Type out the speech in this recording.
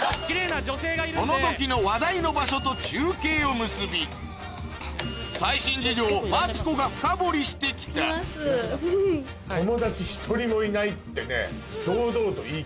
その時の話題の場所と中継を結び最新事情をマツコが深掘りしてきたあっホント？